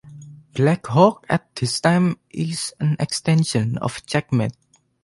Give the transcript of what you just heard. Blackhawk at this time is an extension of Checkmate.